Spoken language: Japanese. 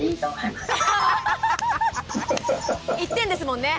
１点ですもんね。